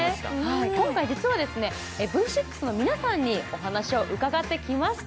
今回、Ｖ６の皆さんにお話を伺ってきました。